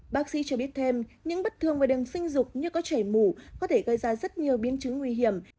bác sĩ cho biết thêm những bất thường về đường sinh dục như có chảy mù có thể gây ra rất nhiều biến chứng nguy hiểm